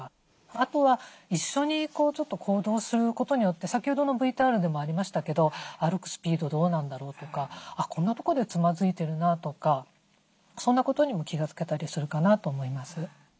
あとは一緒に行動することによって先ほどのＶＴＲでもありましたけど歩くスピードどうなんだろうとかこんなとこでつまずいてるなとかそんなことにも気が付けたりするかなと思います。